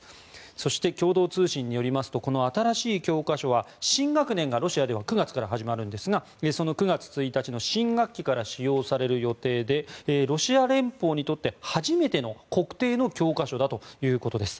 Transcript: そして共同通信によりますと新しい教科書は新学年がロシアでは９月から始まるんですがその９月１日の新学期から使用される予定でロシア連邦にとって初めての国定の教科書だということです。